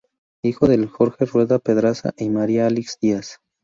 Hijo de Jorge Rueda Pedraza y María Alix Diaz.